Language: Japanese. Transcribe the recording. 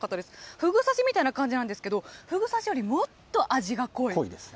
ふぐ刺しみたいな感じなんですけど、ふぐ刺しより、もっと味が濃いです。